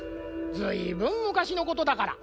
ずいぶんむかしのことだから。